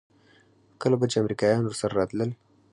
کله به چې امريکايان ورسره راتلل.